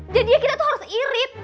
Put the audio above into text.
jadi ya kita tuh harus irit